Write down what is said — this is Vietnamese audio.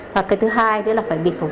và thứ hai là phải bịt khẩu trang